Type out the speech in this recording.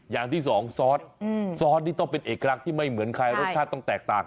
อย่างที่สองซอสซอสนี่ต้องเป็นเอกลักษณ์ที่ไม่เหมือนใครรสชาติต้องแตกต่าง